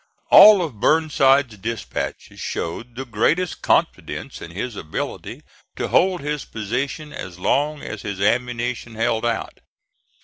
All of Burnside's dispatches showed the greatest confidence in his ability to hold his position as long as his ammunition held out.